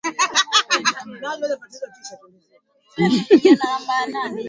kumwapisha Waziri Mkuu